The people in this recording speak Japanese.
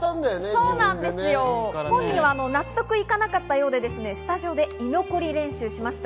本人は納得いかなかったようでスタジオで居残り練習しました。